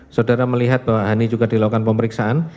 saudara melihat bahwa hani juga dilakukan pemeriksaan